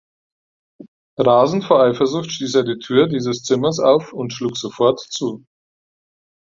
Rasend vor Eifersucht stieß er die Tür dieses Zimmer auf und schlug sofort zu.